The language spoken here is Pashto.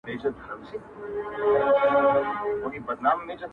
مستغني هم له پاچا هم له وزیر یم؛